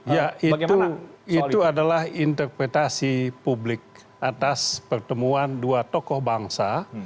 ya itu adalah interpretasi publik atas pertemuan dua tokoh bangsa